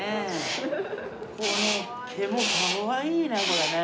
毛もかわいいね